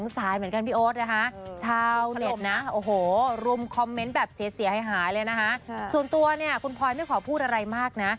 ส่วนตัวเนี่ยคุณพลอยไม่ขอพูดอะไรมากนะ